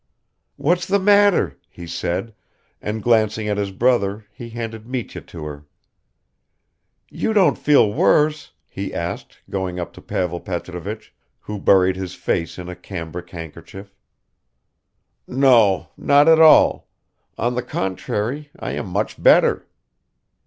"What's the matter?" he said, and glancing at his brother he handed Mitya to her. "You don't feel worse?" he asked, going up to Pavel Petrovich, who buried his face in a cambric handkerchief. "No ... not at all ... on the contrary, I am much better."